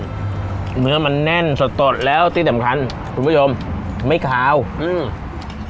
เนื้อมันแน่นสดสดแล้วที่สำคัญคุณผู้ชมไม่คาวอืม